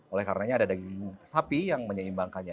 oleh karenanya ada daging sapi yang menyeimbangkannya